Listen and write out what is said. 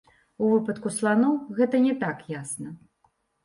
У выпадку сланоў гэта не так ясна.